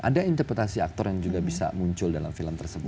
ada interpretasi aktor yang juga bisa muncul dalam film tersebut